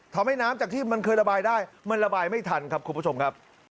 ทำให้น้ำจากที่มันเคยระบายได้มันระบายไม่ทันครับคุณผู้ชมครับ